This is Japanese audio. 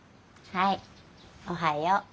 はいおはよう。